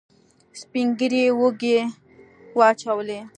سپينږيري اوږې واچولې.